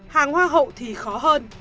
hàng hoa hậu thì khó hơn